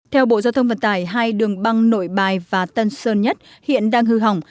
theo bộ giao thông vận tải hai đường băng nội bài và tân sơn nhất hiện đang hư hỏng